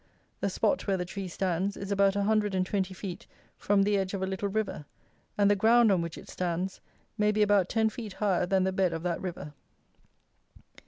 The spot where the tree stands is about a hundred and twenty feet from the edge of a little river, and the ground on which it stands may be about ten feet higher than the bed of that river.